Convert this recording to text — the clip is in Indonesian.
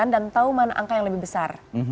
dan tahu mana angka yang lebih besar